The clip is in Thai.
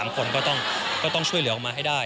๓คนก็ต้องช่วยเหลือออกมาให้ได้